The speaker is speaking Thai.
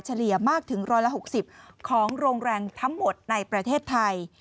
เฉลี่ยมากถึงร้อยละ๖๐ของโรงแรมทั้งหมดในประเทศไทย